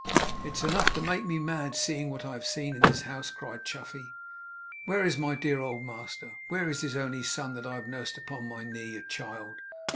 'It is enough to make me mad, seeing what I have seen in this house!' cried Chuffey. 'Where is my dear old master! Where is his only son that I have nursed upon my knee, a child!